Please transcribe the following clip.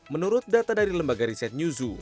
menurut data dari lembaga riset newzoo